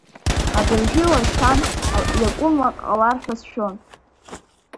Абыржәы-уашьҭан иакәым ак ҟалар ҳәа сшәон.